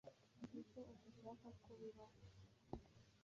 Nzi ko udashaka ko bibaho.